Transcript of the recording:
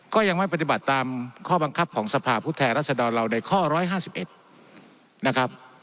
ก็ยังไม่ปฏิบัติตามข้อบังคับของสภาพผู้แทนรัศดรเราในข้อ๑๕๑นะครับ